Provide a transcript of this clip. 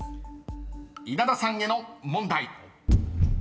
［稲田さんへの問題］